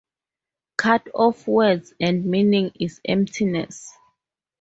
Cut off words and meaning is emptiness.